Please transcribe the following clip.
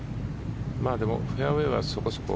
でもフェアウェーはそこそこ。